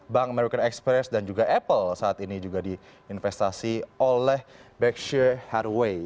bank american express dan juga apple saat ini juga diinvestasi oleh backshear hathaway